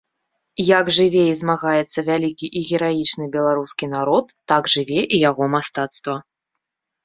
Як жыве і змагаецца вялікі і гераічны беларускі народ, так жыве і яго мастацтва.